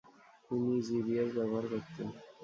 তিনি "জি.বি.এস." ব্যবহার করতেন।